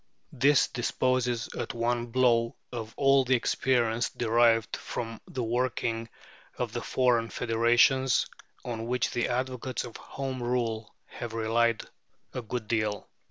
This disposes at one blow of all the experience derived from the working of the foreign federations, on which the advocates of Home Rule have relied a good deal.